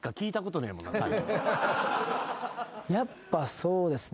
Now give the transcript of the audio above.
やっぱそうですね。